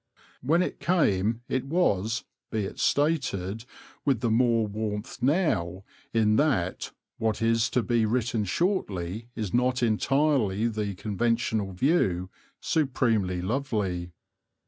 When it came it was, be it stated with the more warmth now in that what is to be written shortly is not entirely the conventional view, supremely lovely.